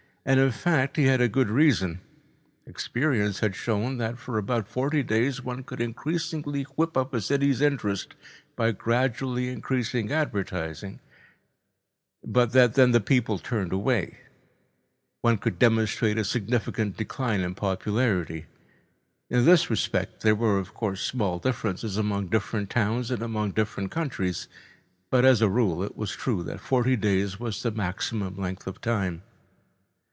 And, in fact, he had a good reason. Experience had shown that for about forty days one could increasingly whip up a city's interest by gradually increasing advertising, but that then the people turned away—one could demonstrate a significant decline in popularity. In this respect, there were, of course, small differences among different towns and among different countries, but as a rule it was true that forty days was the maximum length of time.